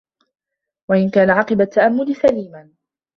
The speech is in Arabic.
وَإِنْ كَانَ عَقِبَ التَّأَمُّلِ سَلِيمًا